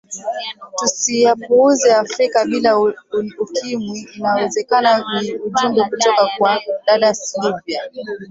tusiyapuuzie afrika bila ukimwi inawezekana ni ujumbe kutoka kwa dada sylivia